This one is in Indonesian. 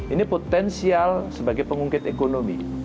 ini potensial sebagai pengungkit ekonomi